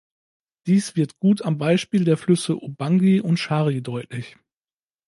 Dies wird gut am Beispiel der Flüsse Ubangi und Schari deutlich.